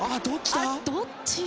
どっち？